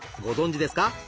ご存じですか？